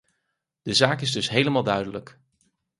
De zaak is dus helemaal duidelijk.